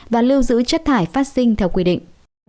và lưu giữ chất thải phát sinh theo quy định